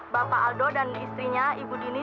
bapak aldo dan istrinya ibu dini